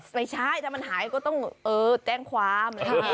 ไม่ใช่ถ้ามันหายก็ต้องแจ้งความ